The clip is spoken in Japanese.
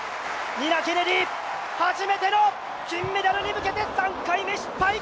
ニナ・ケネディ、初めての金メダルに向けて３回目失敗。